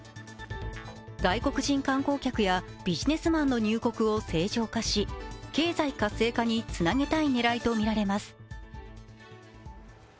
外国人観光客やビジネスマンの入国を正常化し経済活性化につなげたい狙いとみられます。